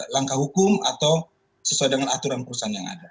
langkah hukum atau sesuai dengan aturan perusahaan yang ada